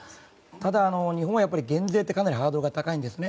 ただ、日本は減税ってかなりハードルが高いんです。